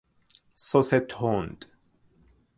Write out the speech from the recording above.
سس تند